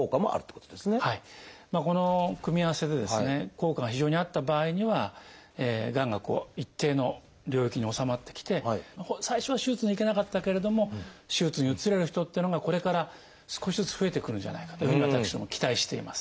効果が非常にあった場合にはがんが一定の領域に収まってきて最初は手術にいけなかったけれども手術に移れる人っていうのがこれから少しずつ増えてくるんじゃないかというふうに私ども期待しています。